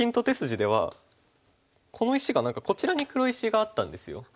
手筋ではこの石が何かこちらに黒石があったんですよ。